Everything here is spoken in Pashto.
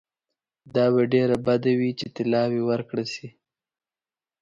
دا به ډېره بده وي چې طلاوي ورکړه شي.